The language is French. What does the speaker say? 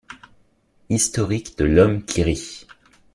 Historique de l’Homme qui Rit